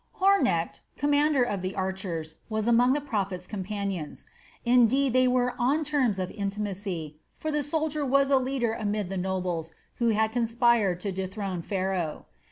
Hornecht, commander of the archers, was among the prophet's companions. Indeed they were on terms of intimacy, for the soldier was a leader amid the nobles who had conspired to dethrone Pharaoh.